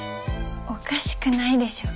おかしくないでしょうか？